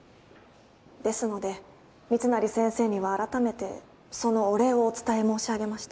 ですので密成先生にはあらためてそのお礼をお伝え申し上げました。